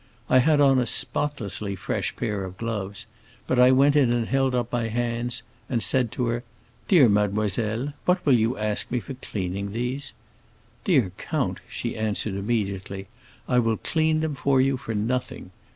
I had on a spotlessly fresh pair of gloves, but I went in and held up my hands, and said to her, 'Dear mademoiselle, what will you ask me for cleaning these?' 'Dear count,' she answered immediately, 'I will clean them for you for nothing.